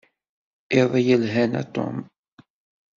Iḍ yelhan a Tom.